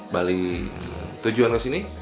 bali tujuan ke sini